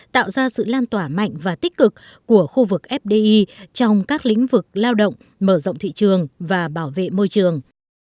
tạo ra sự lan tỏa mạnh và tích cực của khu vực fdi trong các lĩnh vực lao động mở rộng thị trường và bảo vệ môi trường